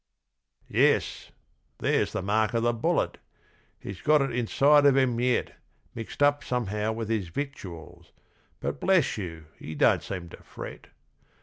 Yes! There's the mark of the bullet he's got it inside of him yet Mixed up somehow with his victuals, but bless you he don't seem to fret!